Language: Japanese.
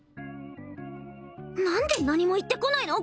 何で何も言ってこないの？